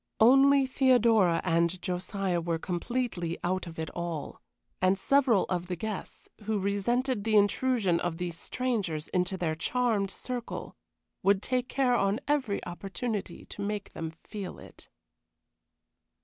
Only Theodora and Josiah were completely out of it all, and several of the guests, who resented the intrusion of these strangers into their charmed circle, would take care on every opportunity to make them feel it.